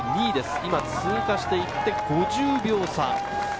今、通過していって５０秒差。